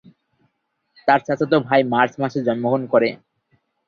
তার চাচাতো ভাই মার্চ মাসে জন্মগ্রহণ করে।